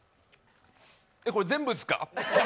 これ、全部っすか？